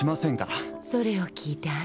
それを聞いて安心。